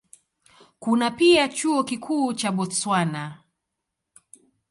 Kuna pia Chuo Kikuu cha Botswana.